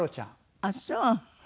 ああそう。